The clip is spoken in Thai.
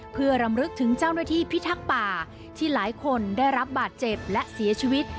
เพื่อรำลึกถึงเจ้าหน้าที่พิทักษ์ป่าที่หลายคนได้รับบาดเจ็บและเสียชีวิต